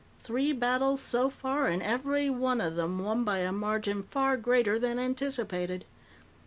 Three battles so far, and every one of them won by a margin far greater than anticipated.